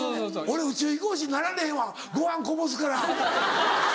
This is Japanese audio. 俺宇宙飛行士になられへんわご飯こぼすから。